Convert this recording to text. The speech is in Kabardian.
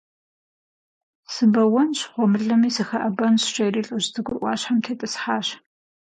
Сыбэуэнщ, гъуэмылэми сыхэӀэбэнщ, - жери лӀыжь цӀыкӀур Ӏуащхьэм тетӀысхьащ.